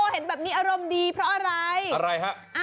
เห็นแบบนี้อารมณ์ดีเพราะอะไรอะไรฮะ